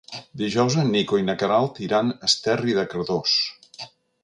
Dijous en Nico i na Queralt iran a Esterri de Cardós.